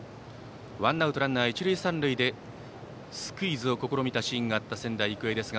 ワンアウトランナー、一塁三塁でスクイズを試みたシーンがあった仙台育英です。